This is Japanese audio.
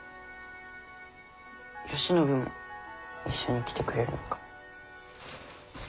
吉信も一緒に来てくれるのか？